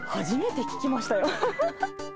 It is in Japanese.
初めて聞きましたよ。